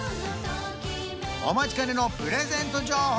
お待ちかねのプレゼント情報